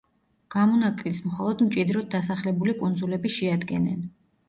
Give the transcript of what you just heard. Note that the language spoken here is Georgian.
გამონაკლისს მხოლოდ მჭიდროდ დასახლებული კუნძულები შეადგენენ.